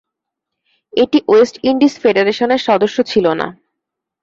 এটি West Indies ফেডারেশনের সদস্য ছিল না।